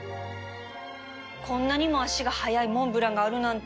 こんなにも足が早いモンブランがあるなんて